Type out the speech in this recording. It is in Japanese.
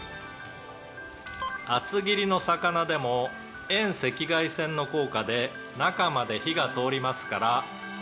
「厚切りの魚でも遠赤外線の効果で中まで火が通りますから」